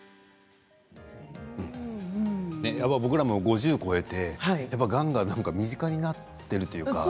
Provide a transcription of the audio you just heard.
僕らも５０歳を超えてがんが身近になってきたというか。